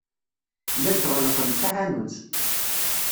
Llant ɣellqent taḥanut.